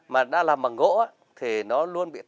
mà đã làm bằng gỗ thì nó luôn bị